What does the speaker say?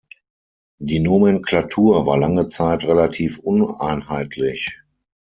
Die Nomenklatur war lange Zeit relativ uneinheitlich.